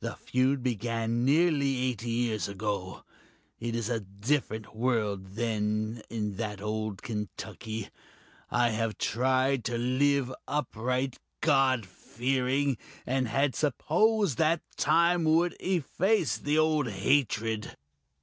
The feud began nearly eighty years ago. It is a different world then in that old Kentucky. I have tried to live upright, God fearing, and had supposed that time would efface the old hatred.